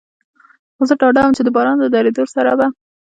خو زه ډاډه ووم، چې د باران له درېدو سره به.